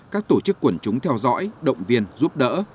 các tổ chức quần chúng theo dõi động viên giúp đỡ